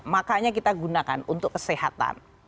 makanya kita gunakan untuk kesehatan